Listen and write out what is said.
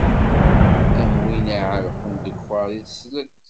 Am win iɛellqen ddekkaṛ i teslent.